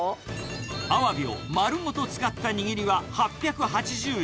アワビを丸ごと使った握りは、８８０円。